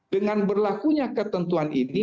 dengan berlakunya ketentuan ini